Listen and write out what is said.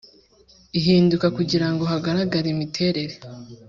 Ibihinduka kugira ngo hagaragare imiterere